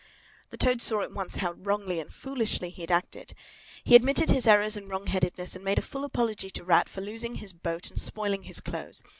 The Toad saw at once how wrongly and foolishly he had acted. He admitted his errors and wrong headedness and made a full apology to Rat for losing his boat and spoiling his clothes.